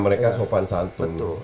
mereka sopan santun